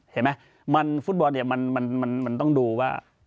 เห็นไหมมันฟุตบอลเนี่ยมันมันมันมันต้องดูว่า